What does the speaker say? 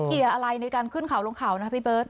เกียร์อะไรในการขึ้นขาวลงขาวนะพี่เบิร์ท